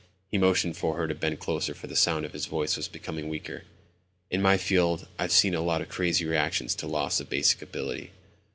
He motioned for her to bend closer for the sound of his voice was becoming weaker. "In my field I've seen a lot of crazy reactions to loss of basic ability.